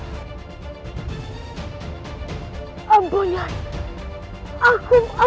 kau bisa menghentikan tapi kamu harus menolong